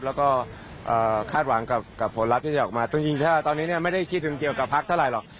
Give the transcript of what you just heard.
แล้วก็คาดหวังกับผลลัพธ์ที่จะออกมาจริงถ้าตอนนี้เนี่ยไม่ได้คิดถึงเกี่ยวกับพักเท่าไหรหรอก